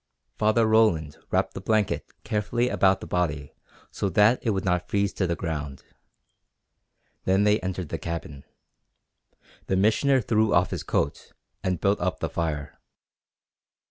Father Roland wrapped the blanket carefully about the body so that it would not freeze to the ground. Then they entered the cabin. The Missioner threw off his coat and built up the fire.